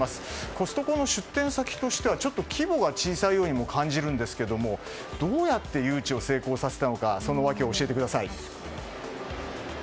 コストコの出店先としては規模が小さいようにも感じるんですけどどうやって誘致を成功させたのかその訳を教えてください。